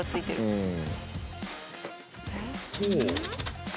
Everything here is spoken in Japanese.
うん。